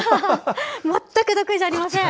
全く得意じゃありません。